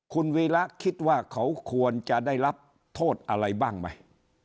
คุณวีระคิดว่าเขาควรจะได้รับโทษอะไรบ้างไหม